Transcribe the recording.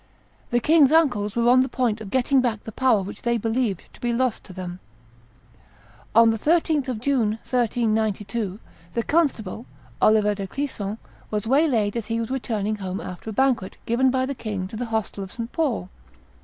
The king's uncles were on the point of getting back the power which they believed to be lost to them. On the 13th of June, 1392, the constable, Oliver de Clisson, was waylaid as he was returning home after a banquet given by the king at the hostel of St. Paul.